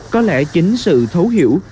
có lẽ chính sự thấu hiểu